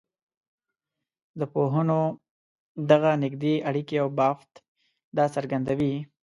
د پوهنو دغه نږدې اړیکي او بافت دا څرګندوي.